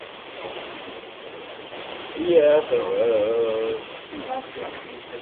Only small settlements lie along its track.